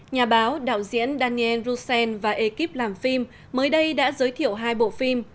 nhà báo đạo diễn daniel russels và ekip làm phim mới đây đã giới thiệu hai bộ phim